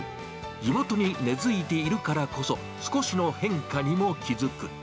地元に根づいているからこそ、少しの変化にも気付く。